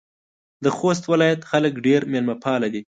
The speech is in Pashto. د خوست ولایت خلک ډېر میلمه پاله دي.